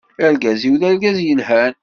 Argaz-iw d argaz yelhan.